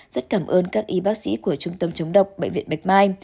rất cảm ơn các y bác sĩ của trung tâm chống độc bệnh viện bạch mai